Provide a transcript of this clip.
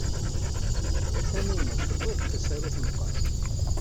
Taninna tewwi-d tasarut meqqar?